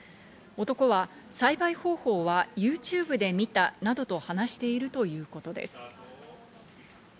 男は栽培方法はＹｏｕＴｕｂｅで見たなどと話しているということです。